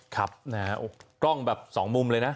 ครับนะฮะกล้องแบบสองมุมเลยนะ